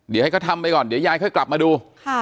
เดี๋ยวให้เขาทำไปก่อนเดี๋ยวยายค่อยกลับมาดู